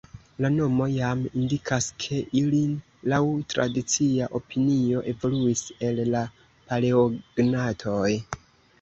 La nomo jam indikas, ke ili laŭ tradicia opinio evoluis el la Paleognatoj.